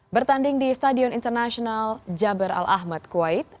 bertanding di stadion internasional jabar al ahmad kuwait